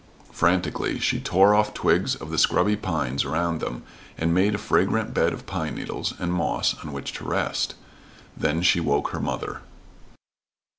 Frantically she tore off twigs of the scrubby pines around them, and made a fragrant bed of pine needles and moss on which to rest. Then she woke her mother.